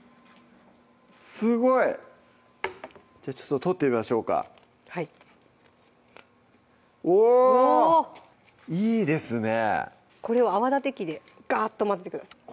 すごいちょっと取ってみましょうかはいおぉいいですねおっこれを泡立て器でガッと混ぜてください